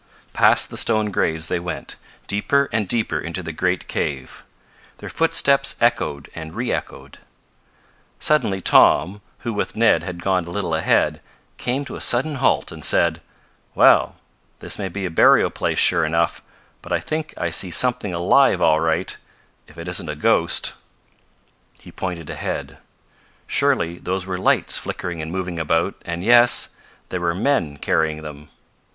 Past the stone graves they went, deeper and deeper into the great cave. Their footsteps echoed and re echoed. Suddenly Tom, who with Ned had gone a little ahead, came to a sudden halt and said: "Well, this may be a burial place sure enough, but I think I see something alive all right if it isn't a ghost." He pointed ahead. Surely those were lights flickering and moving about, and, yes, there were men carrying them.